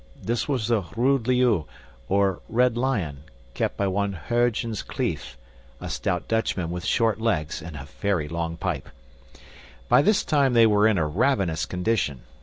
This was the Rood Leeuw or Red Lion, kept by one Huygens Kleef, a stout Dutchman with short legs and a very long pipe. By this time they were in a ravenous condition.